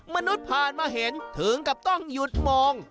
มนุษย์ผ่านมาเห็นถึงกับต้องหยุดมอง